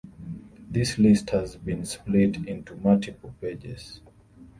This list has been split into multiple pages.